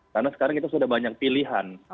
karena sekarang kita sudah banyak pilihan